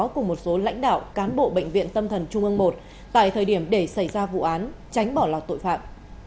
cùng một số lãnh đạo cán bộ bệnh viện tâm thần trung ương i tại thời điểm để xảy ra vụ án tránh bỏ lọt tội phạm